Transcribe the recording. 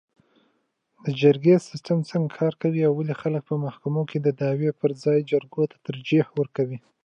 د جرګې سیستم څنګه کار کوي او ولې خلک په محکمو کې د دعوې پر ځاې جرګو ته ترجیح ورکوي.